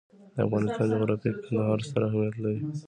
د افغانستان جغرافیه کې کندهار ستر اهمیت لري.